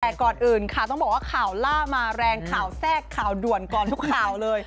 แต่ก่อนอื่นค่ะต้องบอกว่าข่าวล่ามาแรงข่าวแทรกข่าวด่วนก่อนทุกข่าวเลย